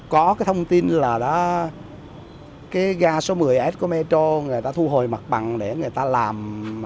có cái thông tin là đã cái ga số một mươi s của metro người ta thu hồi mặt bằng để người ta làm